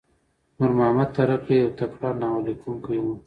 نورمحمد ترهکی یو تکړه ناوللیکونکی وو.